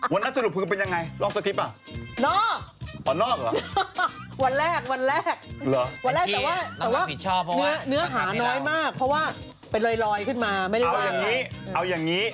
วันแรกแต่ว่าเนื้อหาน้อยมากเพราะว่าไปรอยขึ้นมาไม่ได้พันไป